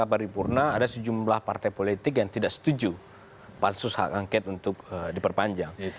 dan di setelah paripurna ada sejumlah partai politik yang tidak setuju pansus h angke untuk diperpanjang